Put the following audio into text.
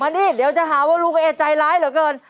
มานี่เดี๋ยวจะหาว่าลูกแอดใจร้ายเหรอเกิน